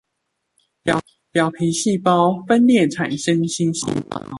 表皮細胞分裂產生新細胞